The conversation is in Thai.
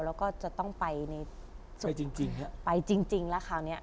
แล้วก็จะต้องไปจริงแล้วคราวนี้